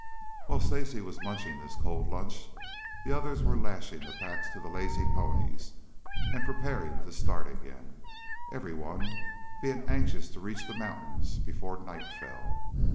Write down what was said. While Stacy was munching his cold lunch the others were lashing the packs to the lazy ponies and preparing to start again, every one being anxious to reach the mountains before night fell.